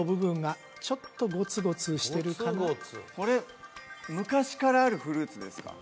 これ昔からあるフルーツですか？